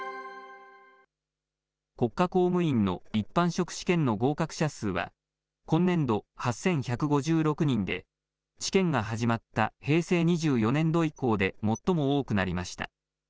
国家公務員の一般職試験の合格者数は、今年度８１５６人で、試験が始まった平成２４年度以降で、最も多くなりました。